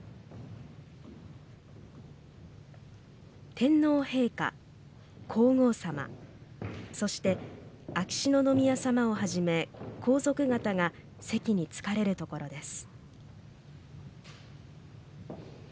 天皇陛下、皇后さまそして秋篠宮さまをはじめ皇族方が席に着かれるところです。